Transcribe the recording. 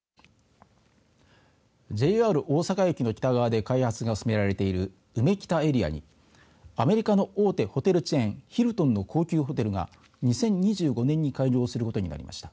ＪＲ大阪駅の北側で開発が進められているうめきたエリアにアメリカの大手ホテルチェーンヒルトンの高級ホテルが２０２５年に開業することになりました。